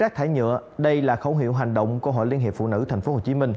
rác thải nhựa đây là khẩu hiệu hành động của hội liên hiệp phụ nữ tp hcm